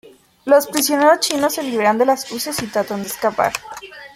Los prisioneros chinos se liberan de las cruces y tratan de escapar.